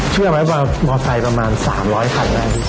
เชื่อไหมว่ามอเตอร์ไซค์ประมาณ๓๐๐๐๐๐แหละ